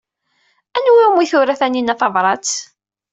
Anwa umi tura Taninna tabṛat?